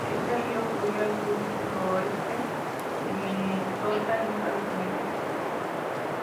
Este río fluye hacia el suroeste de Minnesota en Estados Unidos.